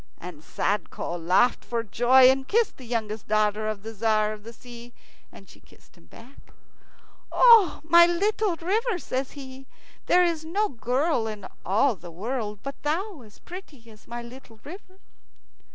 And Sadko laughed for joy, and kissed the youngest daughter of the Tzar of the Sea, and she kissed him back. "O my little river!" says he; "there is no girl in all the world but thou as pretty as my little river."